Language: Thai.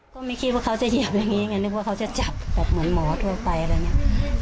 ก็ไม่คิดว่าเขาจะเหยียบอย่างนี้ไงนึกว่าเขาจะจับแบบเหมือนหมอทั่วไปอะไรอย่างนี้